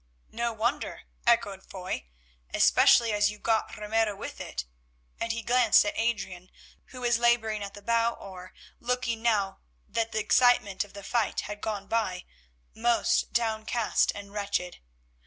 "No wonder," echoed Foy, "especially as you got Ramiro with it," and he glanced at Adrian, who was labouring at the bow oar, looking, now that the excitement of the fight had gone by, most downcast and wretched.